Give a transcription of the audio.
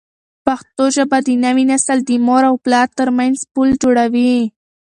پښتو ژبه د نوي نسل د مور او پلار ترمنځ پل جوړوي.